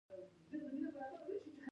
بزګر خر وواهه ځکه د هغه ځای په غوجل کې و.